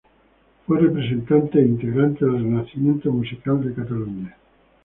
Fue representante e integrante del renacimiento musical de Cataluña.